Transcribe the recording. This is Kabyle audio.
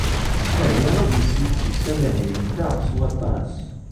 Aya ad yessifses amahil-nteɣ s waṭas.